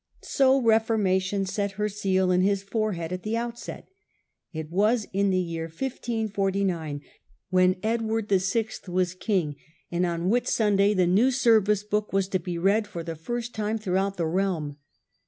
So Reformation set her seal in his forehead at the outset. It was in the year 1549, when Edward the Sixth was king, and on Whitsunday the new service book was to be read for the first time throughout the realm.